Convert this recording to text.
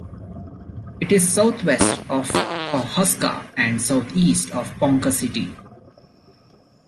It is southwest of Pawhuska and southeast of Ponca City.